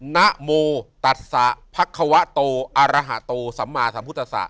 นโมตัดสะพักควะโตอารหะโตสัมมาสัมพุทธศาส